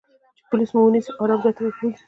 چې پولیس مو و نییسي او آرام ځای ته مو بوزي.